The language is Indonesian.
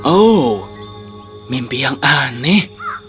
oh mimpi yang aneh